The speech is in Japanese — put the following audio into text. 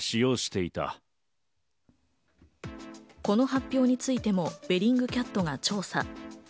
この発表についてもベリングキャットが調査。